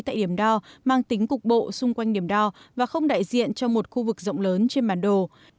tại điểm đo mang tính cục bộ xung quanh điểm đo và không đại diện cho một khu vực rộng lớn trên bản đồ